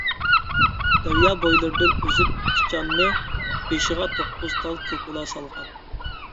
دەريا بويلىرىدىن ئۈزۈپ پىچاننى، بېشىغا توققۇز تال كوكۇلا سالغان.